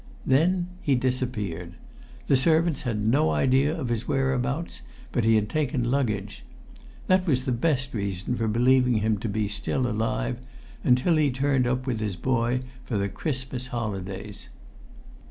Then he disappeared. The servants had no idea of his whereabouts; but he had taken luggage. That was the best reason for believing him to be still alive, until he turned up with his boy for the Christmas holidays.